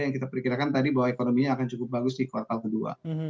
yang kita perkirakan tadi bahwa ekonominya akan cukup bagus di kuartal kedua